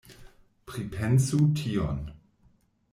Pripensu tion!